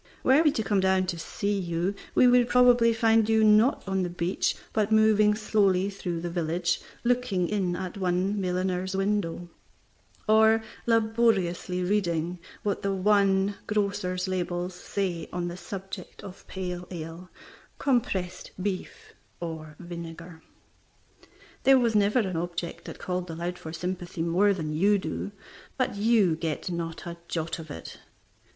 Were we to come down to see you, we would probably find you, not on the beach, but moving slowly through the village, looking in at the one milliner's window, or laboriously reading what the one grocer's labels say on the subject of pale ale, compressed beef, or vinegar. There was never an object that called aloud for sympathy more than you do, but you get not a jot of it.